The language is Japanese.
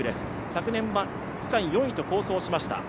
昨年は区間４位と好走しました。